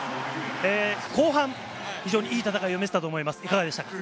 後半、非常に戦いを見せたと思います。